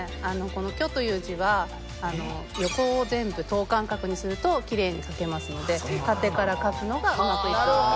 この「巨」という字は横を全部等間隔にするときれいに書けますので縦から書くのがうまくいく方法です。